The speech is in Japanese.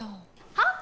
はっ？